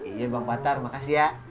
iya bang batar makasih ya